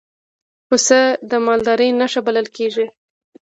پسه د مالدارۍ نښه بلل کېږي.